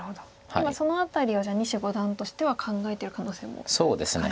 今その辺りをじゃあ西五段としては考えてる可能性もあるんですか。